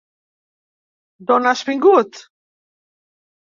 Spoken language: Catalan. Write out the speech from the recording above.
D'on has vingut?